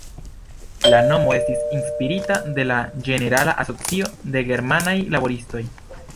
La nomo estis inspirita de la Ĝenerala Asocio de Germanaj Laboristoj.